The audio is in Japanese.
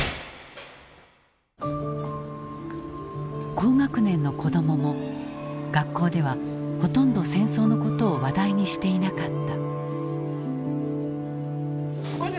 高学年の子どもも学校ではほとんど戦争のことを話題にしていなかった。